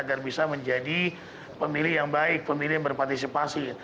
kita menjadi pemilih yang baik pemilih yang berpartisipasi